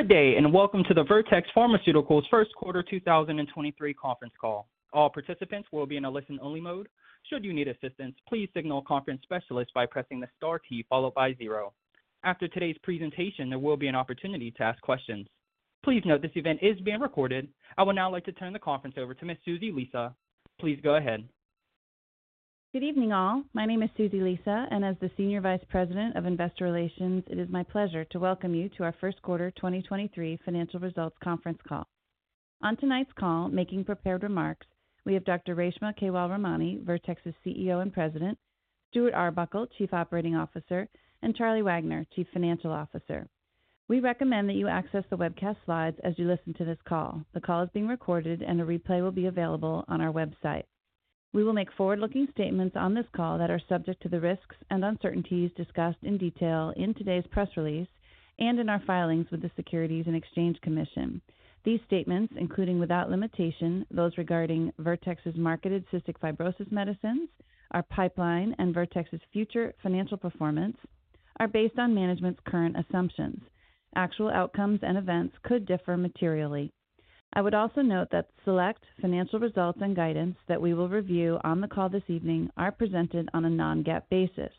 Good day, welcome to the Vertex Pharmaceuticals first quarter 2023 Conference Call. All participants will be in a listen only mode. Should you need assistance, please signal a conference specialist by pressing the star key followed by zero. After today's presentation, there will be an opportunity to ask questions. Please note this event is being recorded. I would now like to turn the conference over to Miss Suzy Lisa. Please go ahead. Good evening all. My name is Susie Lisa, and as the Senior Vice President of Investor Relations, it is my pleasure to welcome you to our first quarter 2023 financial results Conference Call. On tonight's call, making prepared remarks, we have Dr. Reshma Kewalramani, Vertex's CEO and President, Stuart Arbuckle, Chief Operating Officer, and Charlie Wagner, Chief Financial Officer. We recommend that you access the webcast slides as you listen to this call. The call is being recorded and a replay will be available on our website. We will make forward-looking statements on this call that are subject to the risks and uncertainties discussed in detail in today's press release and in our filings with the Securities and Exchange Commission. These statements, including without limitation those regarding Vertex's marketed cystic fibrosis medicines, our pipeline, and Vertex's future financial performance, are based on management's current assumptions. Actual outcomes and events could differ materially. I would also note that select financial results and guidance that we will review on the call this evening are presented on a non-GAAP basis.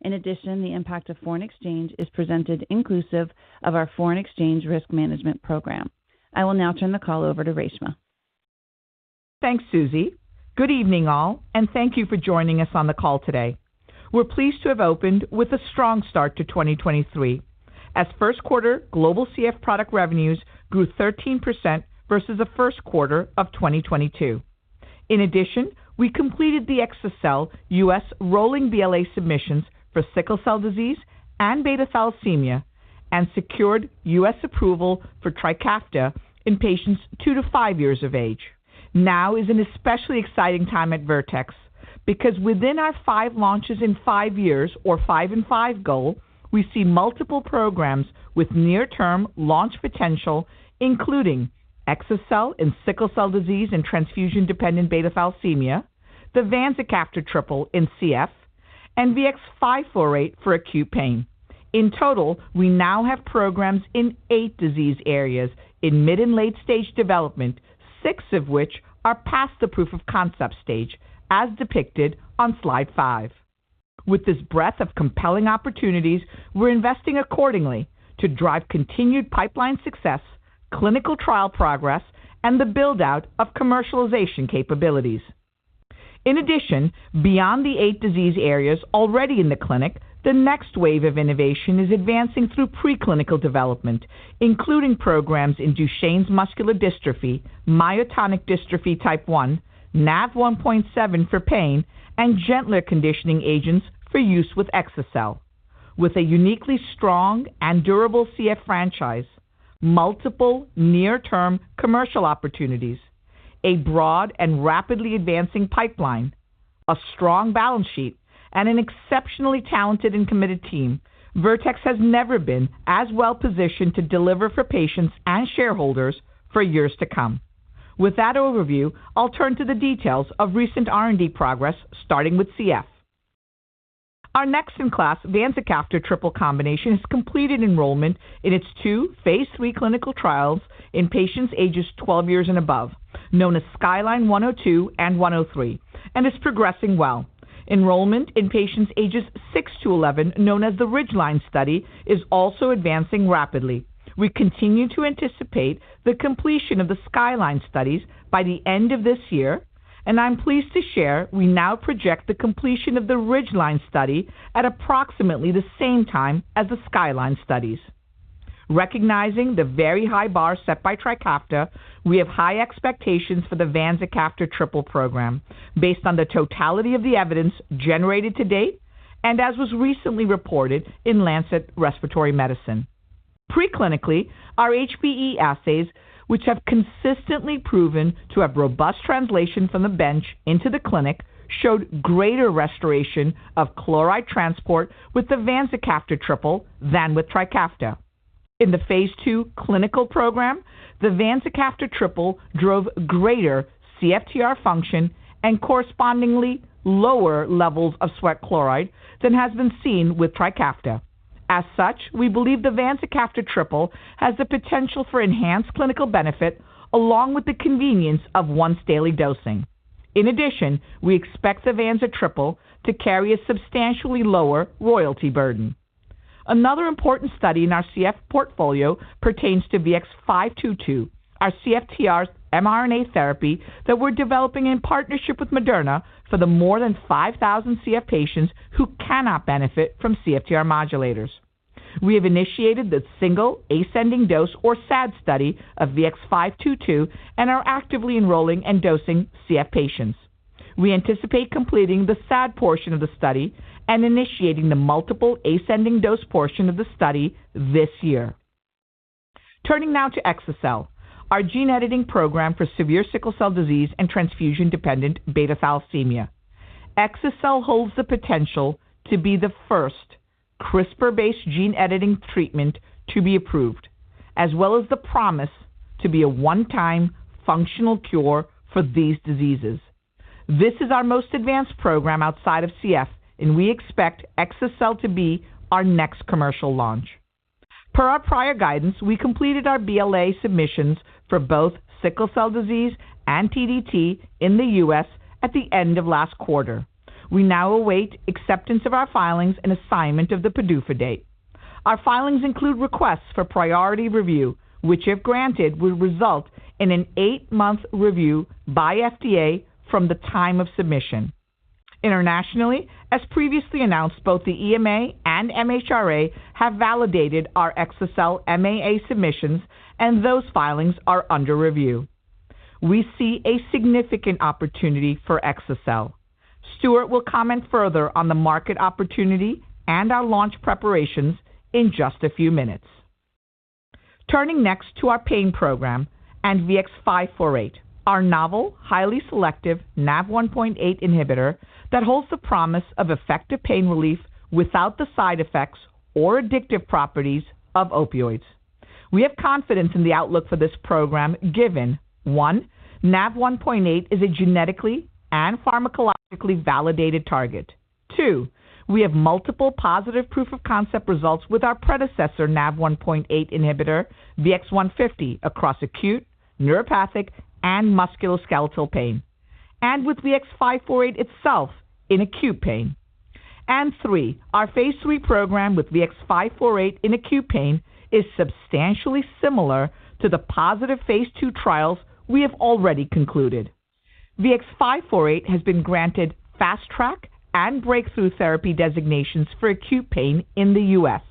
In addition, the impact of foreign exchange is presented inclusive of our foreign exchange risk management program. I will now turn the call over to Reshma. Thanks, Suzy. Good evening all. Thank you for joining us on the call today. We're pleased to have opened with a strong start to 2023 as first quarter global CF product revenues grew 13% versus the first quarter of 2022. In addition, we completed the exa-cel U.S. rolling BLA submissions for sickle cell disease and beta thalassemia and secured U.S. approval for Trikafta in patients 2-5 years of age. Now is an especially exciting time at Vertex because within our five launches in five years or 5 in 5 goal, we see multiple programs with near-term launch potential, including exa-cel in sickle cell disease and transfusion-dependent beta thalassemia, the vanzacaftor triple in CF, and VX-548 for acute pain. In total, we now have programs in eight disease areas in mid- and late-stage development, six of which are past the proof-of-concept stage as depicted on slide five. With this breadth of compelling opportunities, we're investing accordingly to drive continued pipeline success, clinical trial progress, and the build-out of commercialization capabilities. In addition, beyond the eight disease areas already in the clinic, the next wave of innovation is advancing through preclinical development, including programs in Duchenne muscular dystrophy, myotonic dystrophy type one, NaV1.7 for pain, and gentler conditioning agents for use with exa-cel. With a uniquely strong and durable CF franchise, multiple near-term commercial opportunities, a broad and rapidly advancing pipeline, a strong balance sheet, and an exceptionally talented and committed team, Vertex has never been as well positioned to deliver for patients and shareholders for years to come. With that overview, I'll turn to the details of recent R&D progress, starting with CF. Our next in-class vanzacaftor triple combination has completed enrollment in its two phase III clinical trials in patients ages 12 years and above, known as SKYLINE 102 and SKYLINE 103, and is progressing well. Enrollment in patients ages 6-11, known as the RIDGELINE study, is also advancing rapidly. We continue to anticipate the completion of the SKYLINE studies by the end of this year, and I'm pleased to share we now project the completion of the RIDGELINE study at approximately the same time as the SKYLINE studies. Recognizing the very high bar set by TRIKAFTA, we have high expectations for the vanzacaftor triple program based on the totality of the evidence generated to date and as was recently reported in The Lancet Respiratory Medicine. Preclinically, our HBE assays, which have consistently proven to have robust translation from the bench into the clinic, showed greater restoration of chloride transport with the vanzacaftor triple than with TRIKAFTA. In the phase II clinical program, the vanzacaftor triple drove greater CFTR function and correspondingly lower levels of sweat chloride than has been seen with TRIKAFTA. We believe the vanzacaftor triple has the potential for enhanced clinical benefit along with the convenience of once-daily dosing. We expect the vanza triple to carry a substantially lower royalty burden. Another important study in our CF portfolio pertains to VX-522, our CFTR mRNA therapy that we're developing in partnership with Moderna for the more than 5,000 CF patients who cannot benefit from CFTR modulators. We have initiated the single ascending dose, or SAD, study of VX-522 and are actively enrolling and dosing CF patients. We anticipate completing the SAD portion of the study and initiating the multiple ascending dose portion of the study this year. Turning now to exa-cel, our gene editing program for severe sickle cell disease and transfusion-dependent beta thalassemia. Exa-cel holds the potential to be the first CRISPR-based gene editing treatment to be approved, as well as the promise to be a one-time functional cure for these diseases. This is our most advanced program outside of CF, and we expect exa-cel to be our next commercial launch. Per our prior guidance, we completed our BLA submissions for both sickle cell disease and TDT in the U.S. at the end of last quarter. We now await acceptance of our filings and assignment of the PDUFA date. Our filings include requests for priority review, which if granted, would result in an eight-month review by FDA from the time of submission. Internationally, as previously announced, both the EMA and MHRA have validated our exa-cel MAA submissions, and those filings are under review. We see a significant opportunity for exa-cel. Stuart will comment further on the market opportunity and our launch preparations in just a few minutes. Turning next to our pain program and VX-548, our novel, highly selective NaV1.8 inhibitor that holds the promise of effective pain relief without the side effects or addictive properties of opioids. We have confidence in the outlook for this program, given one, NaV1.8 is a genetically and pharmacologically validated target. two, we have multiple positive proof-of-concept results with our predecessor NaV1.8 inhibitor, VX-150, across acute, neuropathic, and musculoskeletal pain, and with VX-548 itself in acute pain. Three, our phase III program with VX-548 in acute pain is substantially similar to the positive phase II trials we have already concluded. VX-548 has been granted Fast Track and Breakthrough Therapy designations for acute pain in the U.S.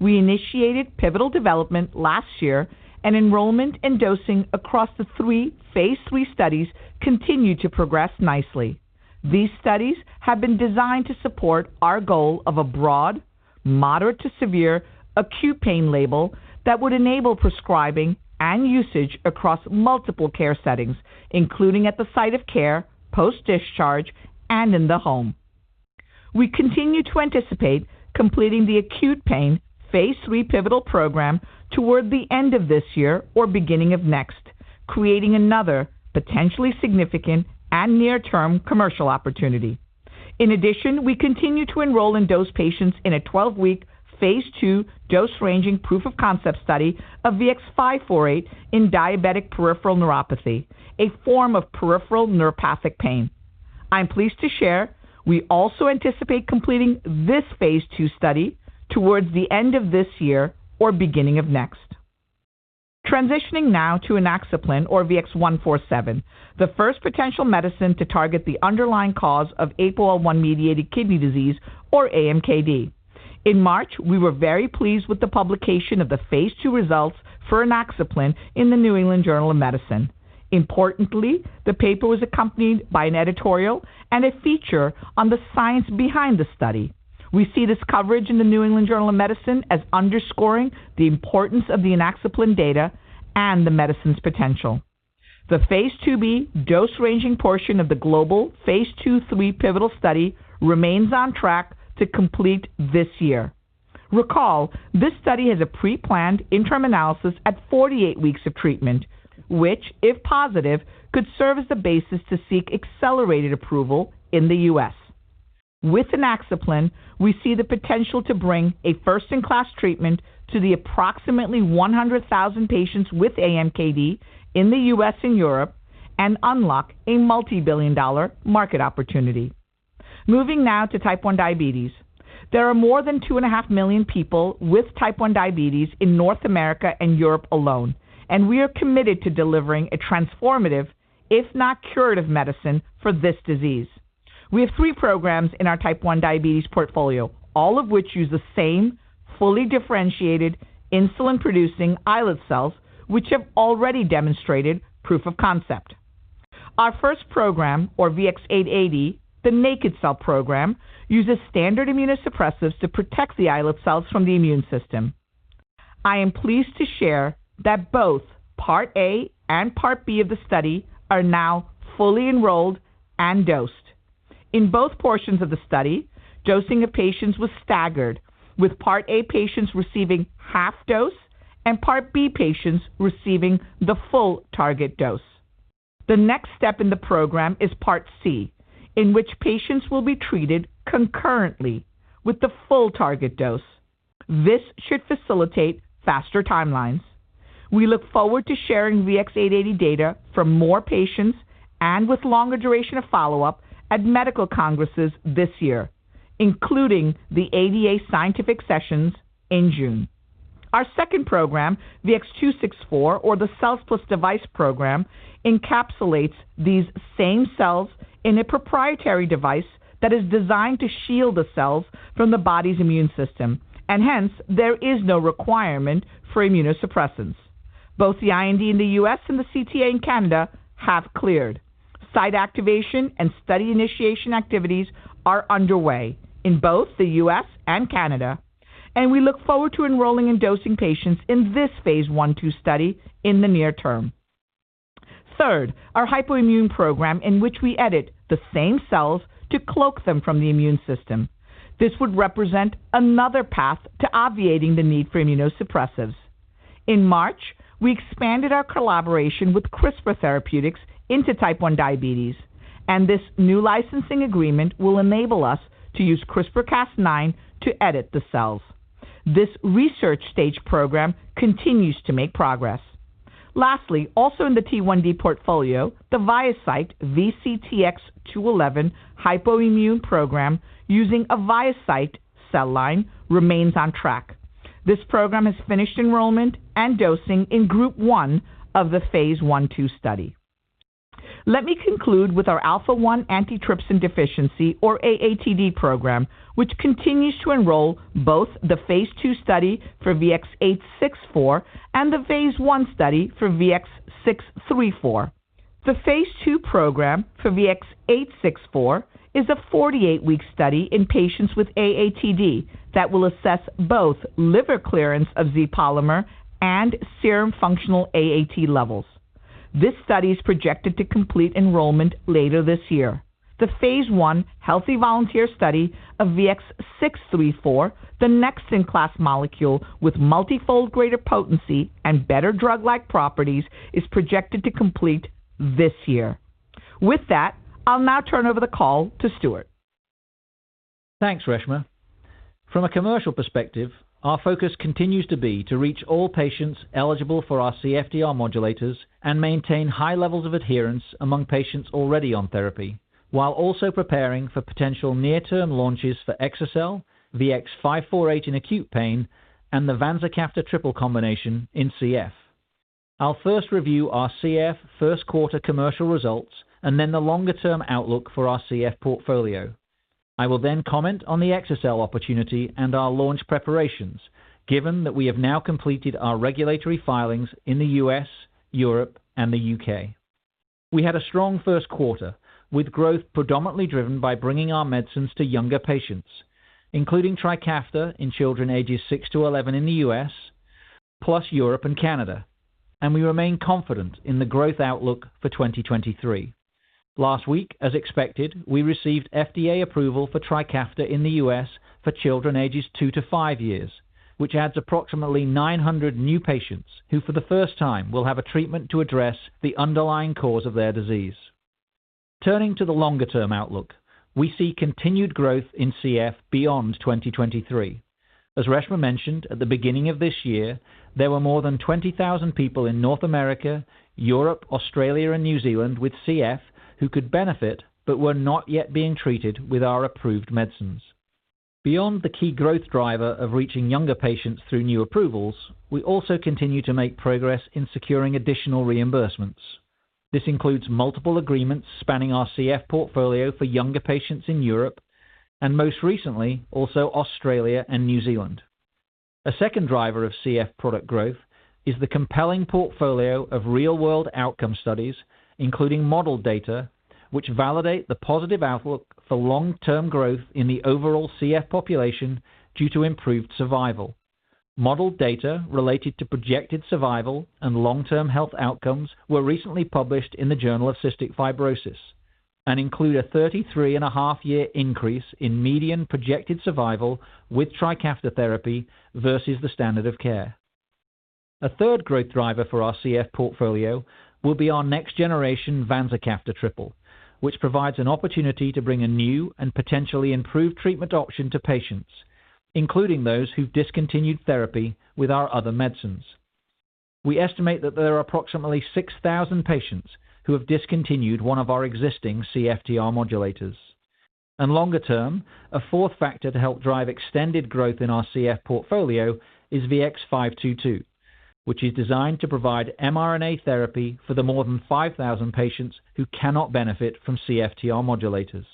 We initiated pivotal development last year. Enrollment and dosing across the 3 phase III studies continue to progress nicely. These studies have been designed to support our goal of a broad, moderate to severe acute pain label that would enable prescribing and usage across multiple care settings, including at the site of care, post-discharge, and in the home. We continue to anticipate completing the acute pain phase III pivotal program toward the end of this year or beginning of next, creating another potentially significant and near-term commercial opportunity. We continue to enroll and dose patients in a 12-week, phase II dose-ranging proof-of-concept study of VX-548 in diabetic peripheral neuropathy, a form of peripheral neuropathic pain. I'm pleased to share we also anticipate completing this phase II study towards the end of this year or beginning of next. Transitioning now to inaxaplin, or VX-147, the first potential medicine to target the underlying cause of APOL1-mediated kidney disease, or AMKD. In March, we were very pleased with the publication of the phase II results for inaxaplin in the New England Journal of Medicine. Importantly, the paper was accompanied by an editorial and a feature on the science behind the study. We see this coverage in the New England Journal of Medicine as underscoring the importance of the inaxaplin data and the medicine's potential. The phase II B dose-ranging portion of the global phase II-III pivotal study remains on track to complete this year. Recall, this study has a preplanned interim analysis at 48 weeks of treatment, which, if positive, could serve as the basis to seek accelerated approval in the U.S. With inaxaplin, we see the potential to bring a first-in-class treatment to the approximately 100,000 patients with AMKD in the U.S. and Europe and unlock a multibillion-dollar market opportunity. Moving now to type 1 diabetes. There are more than 2.5 million people with type 1 diabetes in North America and Europe alone, and we are committed to delivering a transformative, if not curative, medicine for this disease. We have three programs in our type 1 diabetes portfolio, all of which use the same fully differentiated insulin-producing islet cells, which have already demonstrated proof of concept. Our first program, or VX-880, the naked cell program, uses standard immunosuppressants to protect the islet cells from the immune system. I am pleased to share that both Part A and Part B of the study are now fully enrolled and dosed. In both portions of the study, dosing of patients was staggered, with Part A patients receiving half dose and Part B patients receiving the full target dose. The next step in the program is Part C, in which patients will be treated concurrently with the full target dose. This should facilitate faster timelines. We look forward to sharing VX-880 data from more patients and with longer duration of follow-up at medical congresses this year, including the ADA Scientific Sessions in June. Our second program, VX-264, or the cells plus device program, encapsulates these same cells in a proprietary device that is designed to shield the cells from the body's immune system, and hence, there is no requirement for immunosuppressants. Both the IND in the U.S. and the CTA in Canada have cleared. Site activation and study initiation activities are underway in both the U.S. and Canada. We look forward to enrolling and dosing patients in this phase I-2 study in the near term. Third, our hypoimmune program in which we edit the same cells to cloak them from the immune system. This would represent another path to obviating the need for immunosuppressants. In March, we expanded our collaboration with CRISPR Therapeutics into type 1 diabetes. This new licensing agreement will enable us to use CRISPR/Cas9 to edit the cells. This research stage program continues to make progress. Lastly, also in the T1D portfolio, the ViaCyte VCTX211 hypoimmune program using a ViaCyte cell line remains on track. This program has finished enrollment and dosing in Group 1 of the phase I/2 study. Let me conclude with our alpha-1 antitrypsin deficiency, or AATD program, which continues to enroll both the phase II study for VX-864 and the phase I study for VX-634. The phase II program for VX-864 is a 48-week study in patients with AATD that will assess both liver clearance of Z-polymer and serum functional AAT levels. This study is projected to complete enrollment later this year. The phase I healthy volunteer study of VX-634, the next in-class molecule with multifold greater potency and better drug-like properties, is projected to complete this year. With that, I'll now turn over the call to Stuart. Thanks, Reshma. From a commercial perspective, our focus continues to be to reach all patients eligible for our CFTR modulators and maintain high levels of adherence among patients already on therapy, while also preparing for potential near-term launches for exa-cel, VX-548 in acute pain, and the vanzacaftor triple combination in CF. I'll first review our CF first quarter commercial results and then the longer-term outlook for our CF portfolio. I will then comment on the exa-cel opportunity and our launch preparations, given that we have now completed our regulatory filings in the U.S., Europe, and the U.K. We had a strong first quarter with growth predominantly driven by bringing our medicines to younger patients, including TRIKAFTA in children ages 6-11 in the U.S., plus Europe and Canada, and we remain confident in the growth outlook for 2023. Last week, as expected, we received FDA approval for TRIKAFTA in the U.S. for children ages 2-5 years, which adds approximately 900 new patients who, for the first time, will have a treatment to address the underlying cause of their disease. Turning to the longer-term outlook, we see continued growth in CF beyond 2023. As Reshma mentioned at the beginning of this year, there were more than 20,000 people in North America, Europe, Australia, and New Zealand with CF who could benefit but were not yet being treated with our approved medicines. Beyond the key growth driver of reaching younger patients through new approvals, we also continue to make progress in securing additional reimbursements. This includes multiple agreements spanning our CF portfolio for younger patients in Europe, and most recently, also Australia and New Zealand. A second driver of CF product growth is the compelling portfolio of real-world outcome studies, including model data which validate the positive outlook for long-term growth in the overall CF population due to improved survival. Model data related to projected survival and long-term health outcomes were recently published in the Journal of Cystic Fibrosis and include a thirty-three and a half year increase in median projected survival with Trikafta therapy versus the standard of care. A third growth driver for our CF portfolio will be our next generation vanzacaftor triple, which provides an opportunity to bring a new and potentially improved treatment option to patients, including those who've discontinued therapy with our other medicines. We estimate that there are approximately 6,000 patients who have discontinued one of our existing CFTR modulators. Longer term, a fourth factor to help drive extended growth in our CF portfolio is VX-522, which is designed to provide mRNA therapy for the more than 5,000 patients who cannot benefit from CFTR modulators.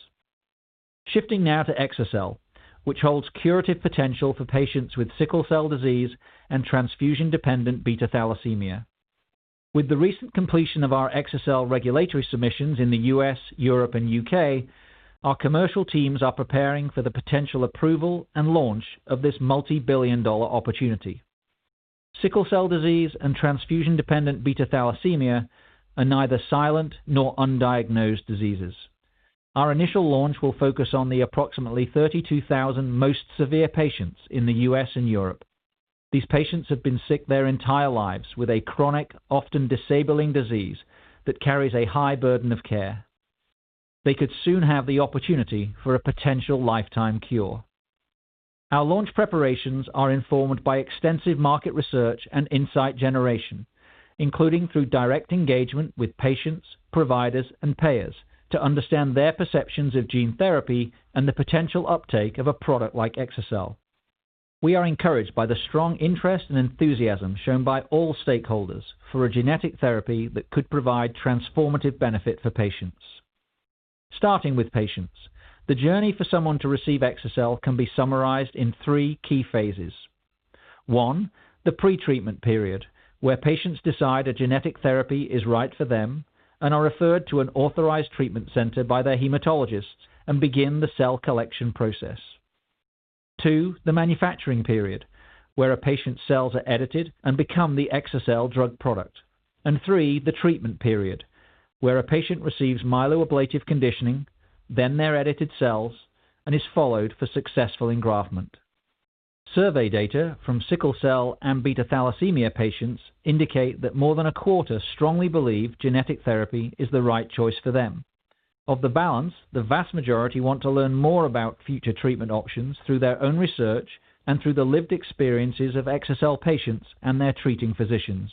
Shifting now to exa-cel, which holds curative potential for patients with sickle cell disease and transfusion-dependent beta thalassemia. With the recent completion of our exa-cel regulatory submissions in the U.S., Europe, and U.K., our commercial teams are preparing for the potential approval and launch of this multi-billion dollar opportunity. Sickle cell disease and transfusion-dependent beta thalassemia are neither silent nor undiagnosed diseases. Our initial launch will focus on the approximately 32,000 most severe patients in the U.S. and Europe. These patients have been sick their entire lives with a chronic, often disabling disease that carries a high burden of care. They could soon have the opportunity for a potential lifetime cure. Our launch preparations are informed by extensive market research and insight generation, including through direct engagement with patients, providers, and payers to understand their perceptions of gene therapy and the potential uptake of a product like exa-cel. We are encouraged by the strong interest and enthusiasm shown by all stakeholders for a genetic therapy that could provide transformative benefit for patients. Starting with patients, the journey for someone to receive exa-cel can be summarized in three key phases. one, the pre-treatment period, where patients decide a genetic therapy is right for them and are referred to an authorized treatment center by their hematologists and begin the cell collection process. tw, the manufacturing period, where a patient's cells are edited and become the exa-cel drug product. three, the treatment period, where a patient receives myeloablative conditioning, then their edited cells. And is followed for successful engraftment. Survey data from sickle cell and beta thalassemia patients indicate that more than a quarter strongly believe genetic therapy is the right choice for them. Of the balance, the vast majority want to learn more about future treatment options through their own research and through the lived experiences of exa-cel patients and their treating physicians.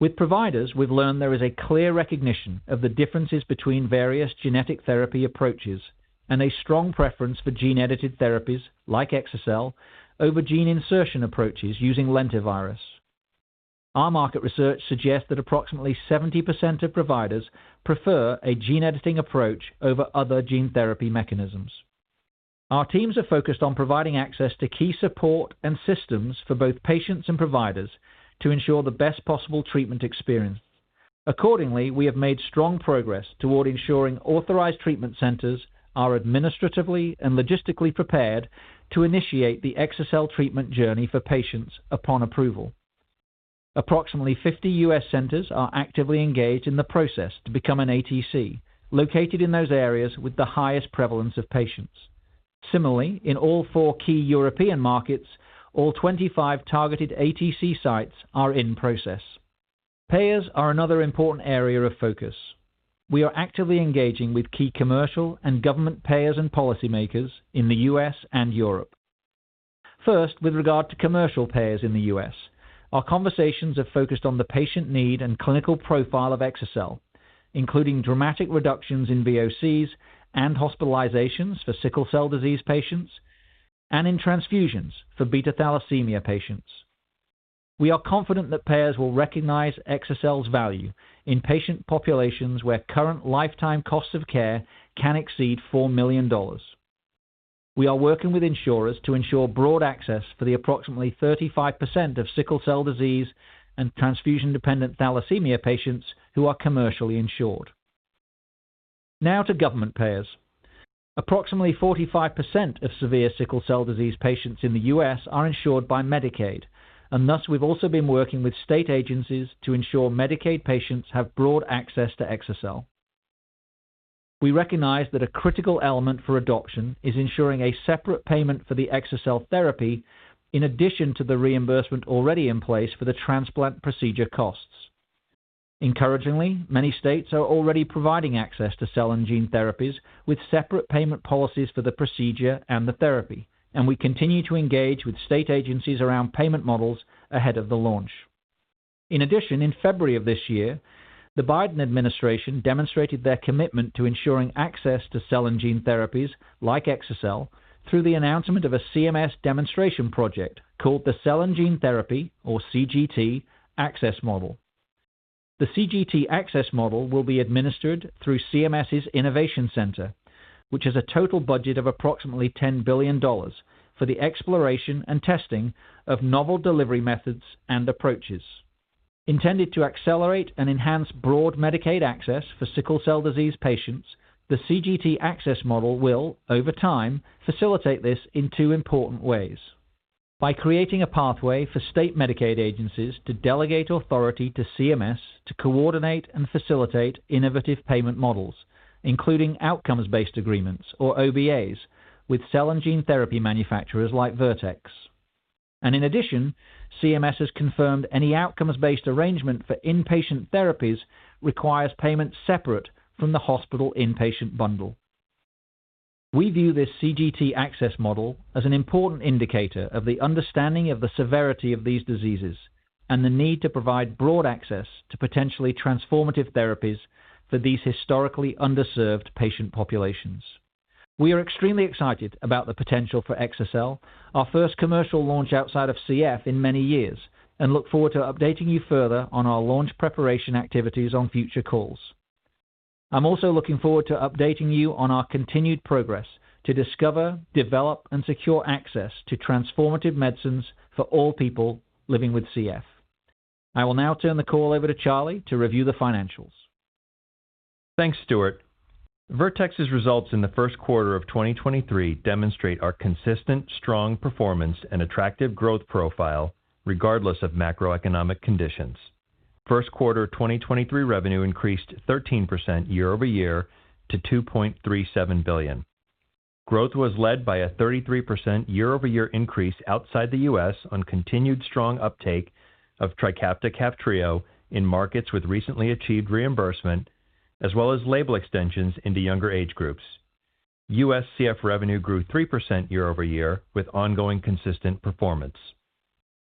With providers, we've learned there is a clear recognition of the differences between various genetic therapy approaches and a strong preference for gene-edited therapies like exa-cel over gene insertion approaches using lentivirus. Our market research suggests that approximately 70% of providers prefer a gene editing approach over other gene therapy mechanisms. Our teams are focused on providing access to key support and systems for both patients and providers to ensure the best possible treatment experience. Accordingly, we have made strong progress toward ensuring authorized treatment centers are administratively and logistically prepared to initiate the exa-cel treatment journey for patients upon approval. Approximately 50 U.S. centers are actively engaged in the process to become an ATC located in those areas with the highest prevalence of patients. Similarly, in all four key European markets, all 25 targeted ATC sites are in process. Payers are another important area of focus. We are actively engaging with key commercial and government payers and policymakers in the U.S. and Europe. First, with regard to commercial payers in the U.S. our conversations have focused on the patient need and clinical profile of exa-cel, including dramatic reductions in VOCs and hospitalizations for sickle cell disease patients and in transfusions for beta thalassemia patients. We are confident that payers will recognize exa-cel's value in patient populations where current lifetime costs of care can exceed $4 million. We are working with insurers to ensure broad access for the approximately 35% of sickle cell disease and transfusion-dependent thalassemia patients who are commercially insured. Now to government payers. Approximately 45% of severe sickle cell disease patients in the US are insured by Medicaid, and thus we've also been working with state agencies to ensure Medicaid patients have broad access to exa-cel. We recognize that a critical element for adoption is ensuring a separate payment for the exa-cel therapy in addition to the reimbursement already in place for the transplant procedure costs. Encouragingly, many states are already providing access to cell and gene therapies with separate payment policies for the procedure and the therapy and we continue to engage with state agencies around payment models ahead of the launch. In February of this year, the Biden administration demonstrated their commitment to ensuring access to cell and gene therapies like exa-cel through the announcement of a CMS demonstration project called the Cell and Gene Therapy, or CGT, Access Model. The CGT Access Model will be administered through CMS's Innovation Center, which has a total budget of approximately $10 billion for the exploration and testing of novel delivery methods and approaches. Intended to accelerate and enhance broad Medicaid access for sickle cell disease patients, the CGT Access Model will, over time, facilitate this in two important ways. By creating a pathway for state Medicaid agencies to delegate authority to CMS to coordinate and facilitate innovative payment models, including outcomes-based agreements or OBAs with cell and gene therapy manufacturers like Vertex. In addition, CMS has confirmed any outcomes-based arrangement for inpatient therapies requires payment separate from the hospital inpatient bundle. We view this CGT Access Model as an important indicator of the understanding of the severity of these diseases and the need to provide broad access to potentially transformative therapies for these historically underserved patient populations. We are extremely excited about the potential for exa-cel, our first commercial launch outside of CF in many years, and look forward to updating you further on our launch preparation activities on future calls. I'm also looking forward to updating you on our continued progress to discover, develop, and secure access to transformative medicines for all people living with CF. I will now turn the call over to Charlie to review the financials. Thanks, Stuart. Vertex's results in the first quarter of 2023 demonstrate our consistent strong performance and attractive growth profile regardless of macroeconomic conditions. First quarter 2023 revenue increased 13% year-over-year to $2.37 billion. Growth was led by a 33% year-over-year increase outside the U.S. on continued strong uptake of TRIKAFTA/KAFTRIO in markets with recently achieved reimbursement as well as label extensions into younger age groups. U.S. CF revenue grew 3% year-over-year with ongoing consistent performance.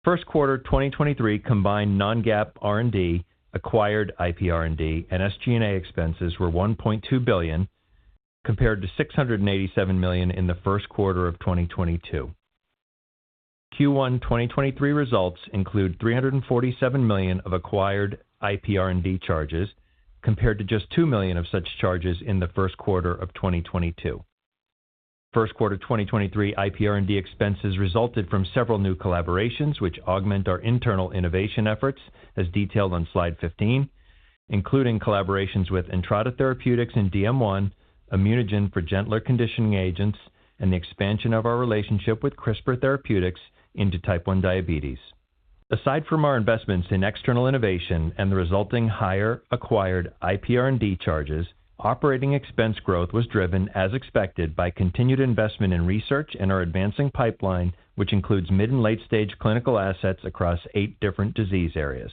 First quarter 2023 combined non-GAAP R&D, acquired IPR&D, and SG&A expenses were $1.2 billion compared to $687 million in the first quarter of 2022. Q1 2023 results include $347 million of acquired IPR&D charges compared to just $2 million of such charges in the first quarter of 2022. First quarter 2023 IPR&D expenses resulted from several new collaborations which augment our internal innovation efforts as detailed on slide 15, including collaborations with Entrada Therapeutics in DM1, ImmunoGen for gentler conditioning agents, and the expansion of our relationship with CRISPR Therapeutics into type 1 diabetes. Aside from our investments in external innovation and the resulting higher acquired IPR&D charges, operating expense growth was driven, as expected, by continued investment in research and our advancing pipeline, which includes mid and late-stage clinical assets across eight different disease areas.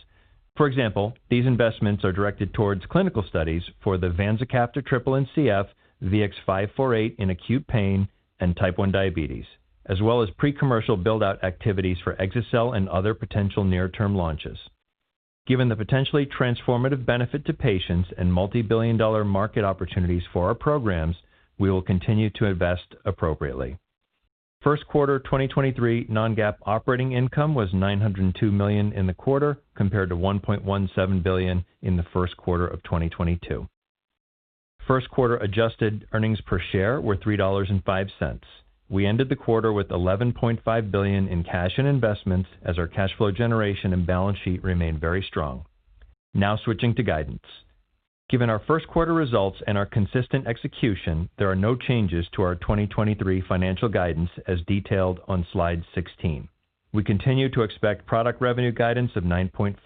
For example, these investments are directed towards clinical studies for the vanzacaftor triple in CF, VX-548 in acute pain and type 1 diabetes, as well as pre-commercial build-out activities for exa-cel and other potential near-term launches. Given the potentially transformative benefit to patients and multi-billion dollar market opportunities for our programs, we will continue to invest appropriately. First quarter 2023 non-GAAP operating income was $902 million in the quarter, compared to $1.17 billion in the first quarter of 2022. First quarter adjusted earnings per share were $3.05. We ended the quarter with $11.5 billion in cash and investments as our cash flow generation and balance sheet remained very strong. Now switching to guidance. Given our first quarter results and our consistent execution, there are no changes to our 2023 financial guidance as detailed on slide 16. We continue to expect product revenue guidance of $9.55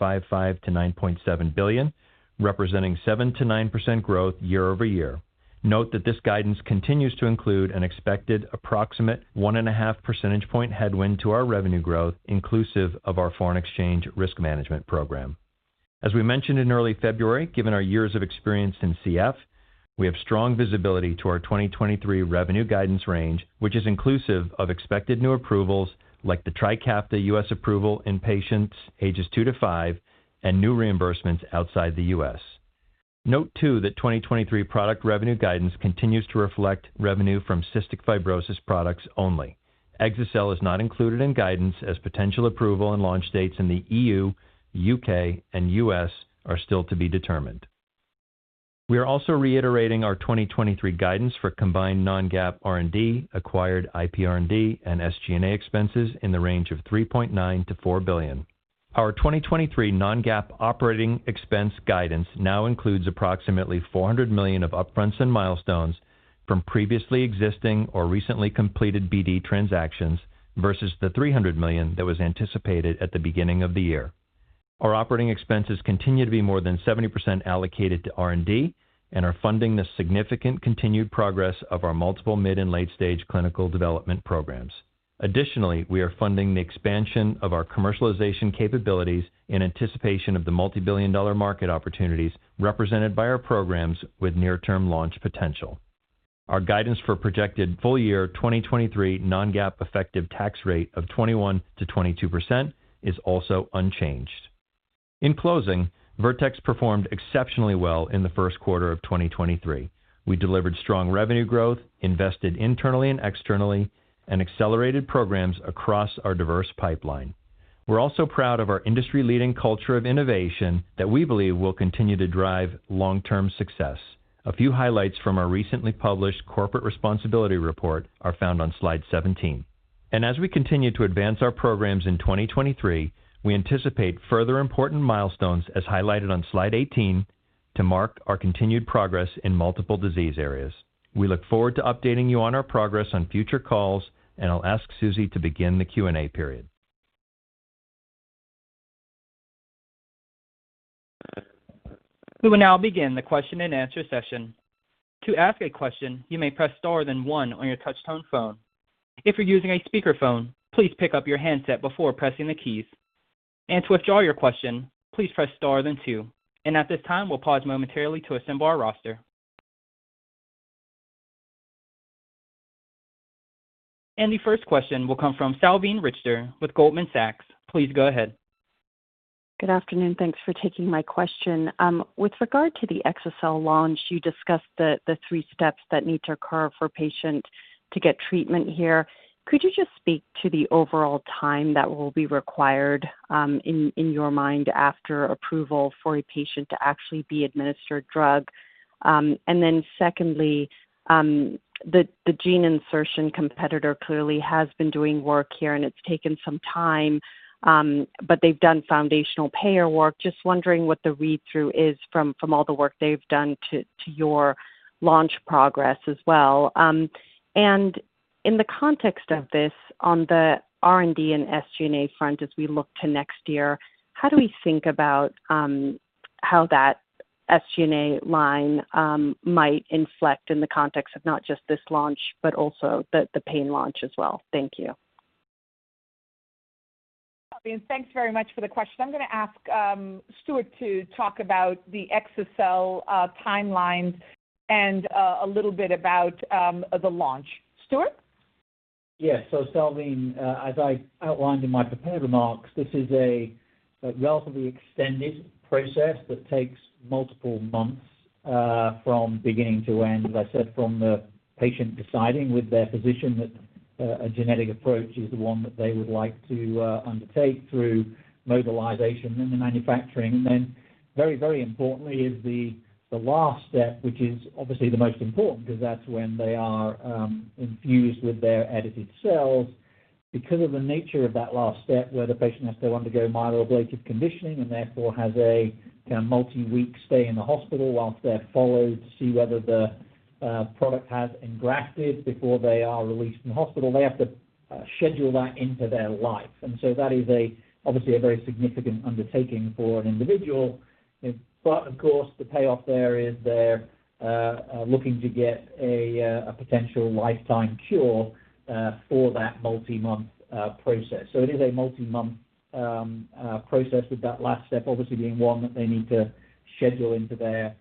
billion-$9.7 billion, representing 7%-9% growth year-over-year. Note that this guidance continues to include an expected approximate 1.5 percentage point headwind to our revenue growth inclusive of our foreign exchange risk management program. As we mentioned in early February, given our years of experience in CF, we have strong visibility to our 2023 revenue guidance range, which is inclusive of expected new approvals like the TRIKAFTA U.S. approval in patients ages 2-5 and new reimbursements outside the U.S. Note too that 2023 product revenue guidance continues to reflect revenue from cystic fibrosis products only. exa-cel is not included in guidance as potential approval and launch dates in the EU, UK, and US are still to be determined. We are also reiterating our 2023 guidance for combined non-GAAP R&D, acquired IPR&D, and SG&A expenses in the range of $3.9 billion-$4 billion. Our 2023 non-GAAP operating expense guidance now includes approximately $400 million of upfronts and milestones from previously existing or recently completed BD transactions versus the $300 million that was anticipated at the beginning of the year. Our operating expenses continue to be more than 70% allocated to R&D and are funding the significant continued progress of our multiple mid and late-stage clinical development programs. Additionally, we are funding the expansion of our commercialization capabilities in anticipation of the multi-billion dollar market opportunities represented by our programs with near-term launch potential. Our guidance for projected full year 2023 non-GAAP effective tax rate of 21%-22% is also unchanged. In closing, Vertex performed exceptionally well in the first quarter of 2023. We delivered strong revenue growth, invested internally and externally, and accelerated programs across our diverse pipeline. We're also proud of our industry-leading culture of innovation that we believe will continue to drive long-term success. A few highlights from our recently published corporate responsibility report are found on slide 17. As we continue to advance our programs in 2023, we anticipate further important milestones, as highlighted on slide 18, to mark our continued progress in multiple disease areas. We look forward to updating you on our progress on future calls, and I'll ask Susie to begin the Q&A period. We will now begin the question-and-answer session. To ask a question, you may Press Star then one on your touch tone phone. If you're using a speakerphone, please pick up your handset before pressing the keys. To withdraw your question, please Press Star then two. At this time, we'll pause momentarily to assemble our roster. The first question will come from Salveen Richter with Goldman Sachs. Please go ahead. Good afternoon. Thanks for taking my question. With regard to the exa-cel launch, you discussed the three steps that need to occur for patients to get treatment here. Could you just speak to the overall time that will be required in your mind after approval for a patient to actually be administered drug? Secondly, the gene insertion competitor clearly has been doing work here, and it's taken some time, but they've done foundational payer work. Just wondering what the read-through is from all the work they've done to your launch progress as well. In the context of this, on the R&D and SG&A front as we look to next year, how do we think about how that SG&A line might inflect in the context of not just this launch, but also the pain launch as well? Thank you. Thanks very much for the question. I'm gonna ask Stuart to talk about the exa-cel timeline and a little bit about the launch. Stuart? Yes. Salveen, as I outlined in my prepared remarks, this is a relatively extended process that takes multiple months from beginning to end. As I said, from the patient deciding with their physician that a genetic approach is the one that they would like to undertake through mobilization and the manufacturing. Very, very importantly is the last step, which is obviously the most important 'cause that's when they are infused with their edited cells. Because of the nature of that last step where the patient has to undergo myeloablative conditioning, and therefore has a kind of multi-week stay in the hospital whilst they're followed to see whether the Product has engrafted before they are released from hospital. They have to schedule that into their life. That is a obviously a very significant undertaking for an individual. Of course, the payoff there is they're looking to get a potential lifetime cure for that multi-month process. It is a multi-month process with that last step obviously being one that they need to schedule into their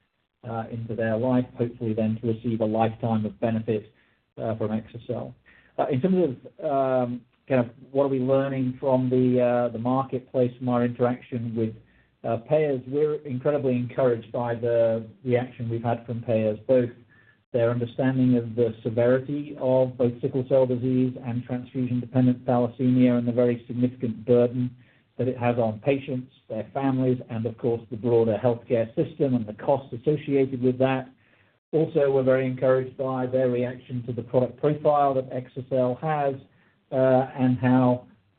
life, hopefully then to receive a lifetime of benefit from exa-cel. Uh, in terms of, um, kind of what are we learning from the, uh, the marketplace, from our interaction with, uh, payers, we're incredibly encouraged by the reaction we've had from payers, both their understanding of the severity of both sickle cell disease and transfusion dependent thalassemia, and the very significant burden that it has on patients, their families, and of course, the broader healthcare system and the costs associated with that. Also, we're very encouraged by their reaction to the product profile that exa-cel has, uh, and how,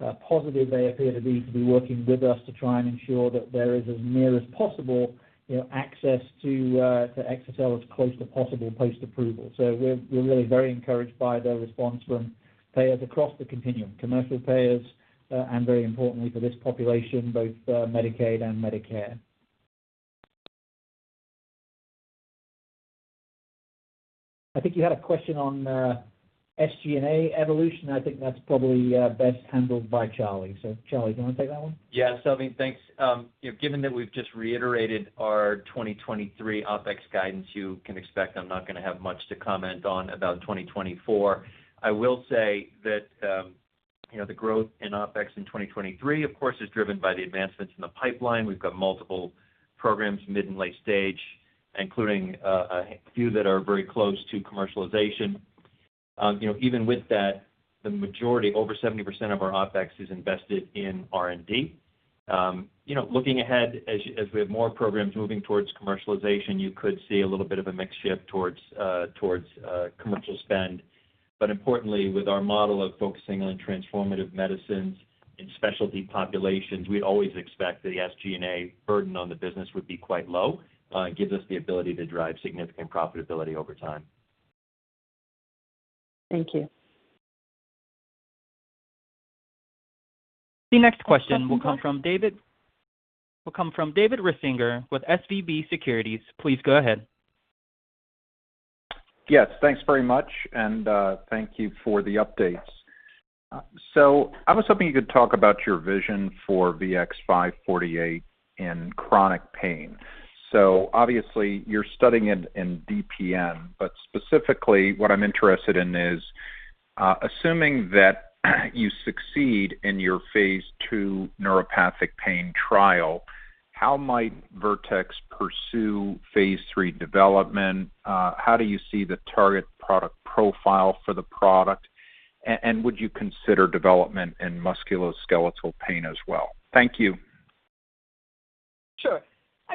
uh, positive they appear to be, to be working with us to try and ensure that there is as near as possible, you know, access to, uh, to exa-cel as close to possible post-approval. We're really very encouraged by the response from payers across the continuum, commercial payers, and very importantly for this population, both Medicaid and Medicare. I think you had a question on SG&A evolution. I think that's probably best handled by Charlie. Charlie, do you wanna take that one? Yes, Savi, thanks. you know, given that we've just reiterated our 2023 OpEx guidance, you can expect I'm not gonna have much to comment on about 2024. I will say that, you know, the growth in OpEx in 2023, of course, is driven by the advancements in the pipeline. We've got multiple programs, mid and late stage, including a few that are very close to commercialization. you know, even with that, the majority, over 70% of our OpEx is invested in R&D. you know, looking ahead as we have more programs moving towards commercialization, you could see a little bit of a mix shift towards towards commercial spend. Importantly, with our model of focusing on transformative medicines in specialty populations, we always expect the SG&A burden on the business would be quite low. It gives us the ability to drive significant profitability over time. Thank you. The next question will come from David Risinger with SVB Securities. Please go ahead. Thanks very much, and thank you for the updates. I was hoping you could talk about your vision for VX-548 in chronic pain. Obviously you're studying it in DPN, but specifically what I'm interested in is, assuming that you succeed in your phase II neuropathic pain trial, how might Vertex pursue phase III development? How do you see the target product profile for the product? And would you consider development in musculoskeletal pain as well? Thank you. Sure. Hi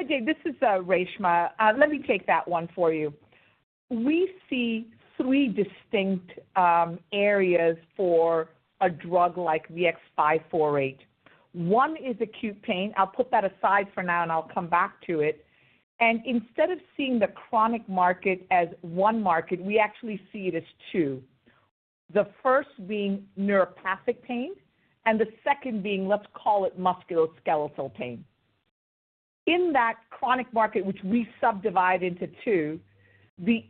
Dave, this is Reshma. Let me take that one for you. We see three distinct areas for a drug like VX-548. 1 is acute pain. I'll put that aside for now, and I'll come back to it. Instead of seeing the chronic market as 1 market, we actually see it as two. The first being neuropathic pain, and the second being, let's call it musculoskeletal pain. In that chronic market, which we subdivide into two,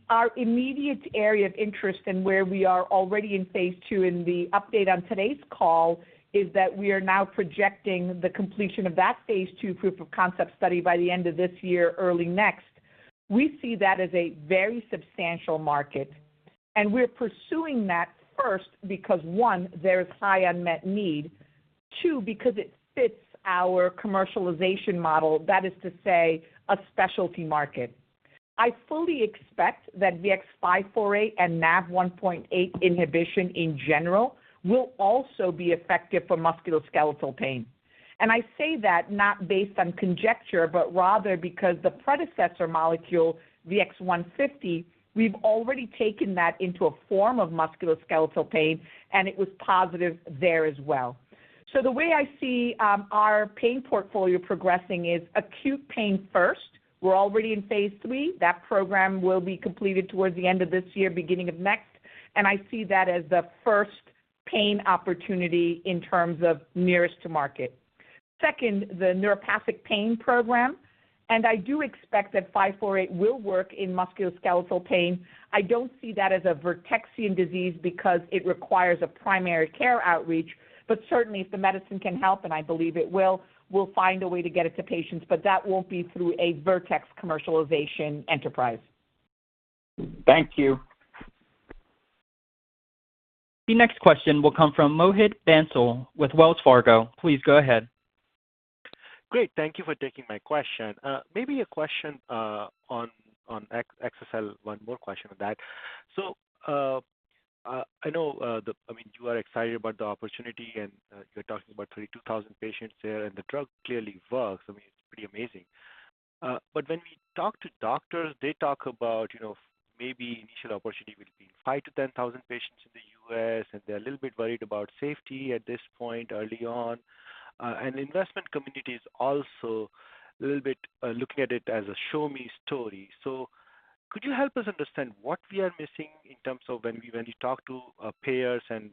our immediate area of interest and where we are already in phase II in the update on today's call is that we are now projecting the completion of that phase II proof of concept study by the end of this year, early next. We see that as a very substantial market. We're pursuing that first because, one, there's high unmet need. Two, because it fits our commercialization model, that is to say, a specialty market. I fully expect that VX-548 and NaV1.8 inhibition in general will also be effective for musculoskeletal pain. I say that not based on conjecture, but rather because the predecessor molecule VX-150, we've already taken that into a form of musculoskeletal pain, and it was positive there as well. The way I see our pain portfolio progressing is acute pain first. We're already in phase III. That program will be completed towards the end of this year, beginning of next, and I see that as the first pain opportunity in terms of nearest to market. Second, the neuropathic pain program. I do expect that 548 will work in musculoskeletal pain. I don't see that as a Vertexian disease because it requires a primary care outreach. Certainly if the medicine can help, and I believe it will, we'll find a way to get it to patients, but that won't be through a Vertex commercialization enterprise. Thank you. The next question will come from Mohit Bansal with Wells Fargo. Please go ahead. Great. Thank you for taking my question. maybe a question on exa-cel, one more question on that. I know, I mean, you are excited about the opportunity and you're talking about 32,000 patients there and the drug clearly works. I mean, it's pretty amazing. But when we talk to doctors, they talk about, you know, maybe initial opportunity will be 5,000-10,000 patients in the U.S., and they're a little bit worried about safety at this point early on. And investment community is also a little bit looking at it as a show me story. Could you help us understand what we are missing in terms of when we talk to payers and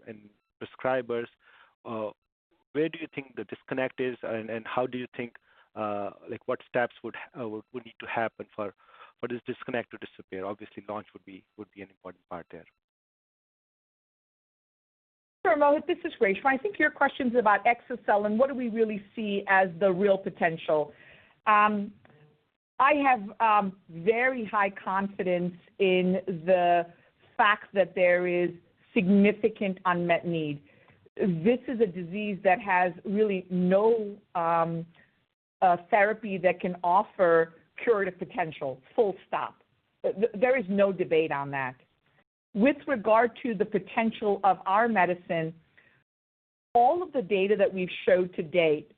prescribers, where do you think the disconnect is? How do you think, like, what steps would need to happen for this disconnect to disappear? Obviously, launch would be an important part there. Sure, Mohit. This is Reshma. I think your question's about exa-cel and what do we really see as the real potential. I have very high confidence in the fact that there is significant unmet need. This is a disease that has really no therapy that can offer curative potential, full stop. There is no debate on that. With regard to the potential of our medicine, all of the data that we've showed to date,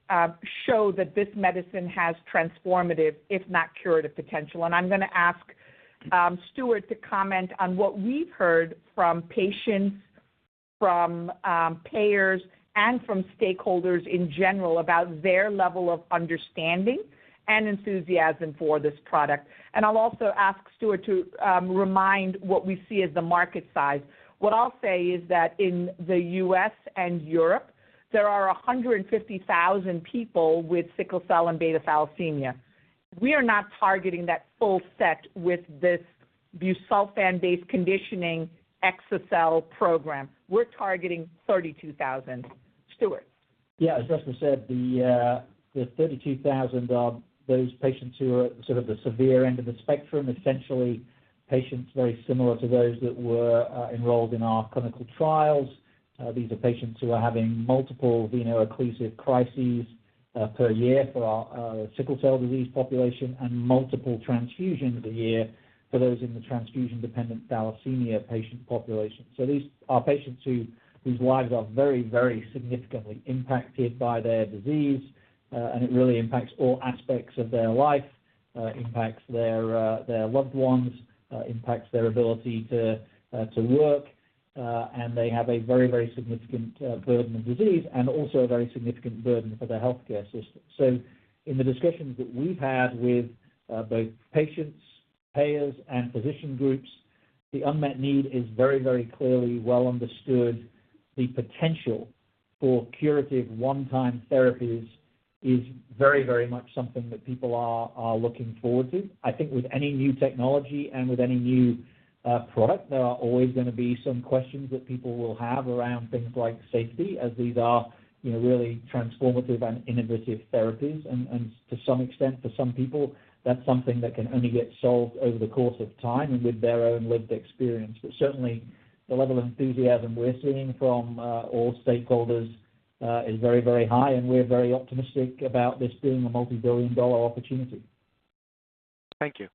show that this medicine has transformative, if not curative potential. I'm gonna ask Stuart to comment on what we've heard from patients, from payers and from stakeholders in general about their level of understanding and enthusiasm for this product. I'll also ask Stuart to remind what we see as the market size. What I'll say is that in the U.S. and Europe, there are 150,000 people with sickle cell and beta thalassemia. We are not targeting that full set with this busulfan-based conditioning exa-cel program. We're targeting 32,000. Stuart? As Reshma Kewalramani said, the 32,000 are those patients who are sort of the severe end of the spectrum, essentially patients very similar to those that were enrolled in our clinical trials. These are patients who are having multiple vaso-occlusive crises per year for our sickle cell disease population and multiple transfusions a year for those in the transfusion-dependent thalassemia patient population. These are patients whose lives are very significantly impacted by their disease, and it really impacts all aspects of their life, impacts their loved ones, impacts their ability to work. They have a very significant burden of disease and also a very significant burden for the healthcare system. In the discussions that we've had with both patients, payers, and physician groups, the unmet need is very, very clearly well understood. The potential for curative one-time therapies is very, very much something that people are looking forward to. I think with any new technology and with any new product, there are always gonna be some questions that people will have around things like safety, as these are, you know, really transformative and innovative therapies. To some extent, for some people, that's something that can only get solved over the course of time and with their own lived experience. Certainly, the level of enthusiasm we're seeing from all stakeholders is very, very high, and we're very optimistic about this being a multi-billion-dollar opportunity. Thank you.